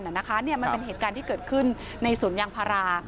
เพราะฉะนั้นมันเป็นเหตุการณ์ที่เกิดขึ้นในศูนย์ยางพารา